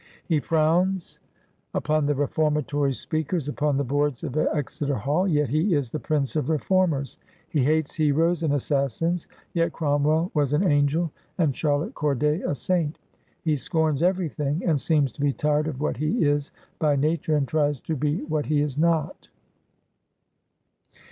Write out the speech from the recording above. He frowns upon the reformatory speakers upon the boards of Exe ter Hall ; yet he is the prince of reformers. He hates heroes and assassins ; yet Cromwell was an angel, and Charlotte Corday a saint. He scorns every thing, and seems to be tired of what he is by nature, and tries to be what he is not."